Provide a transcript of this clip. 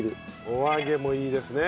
お揚げもいいですね。